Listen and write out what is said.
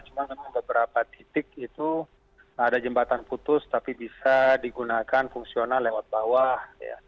cuma memang beberapa titik itu ada jembatan putus tapi bisa digunakan fungsional lewat bawah